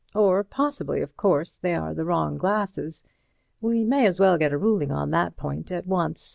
Or possibly, of course, they are the wrong glasses. We may as well get a ruling on that point at once.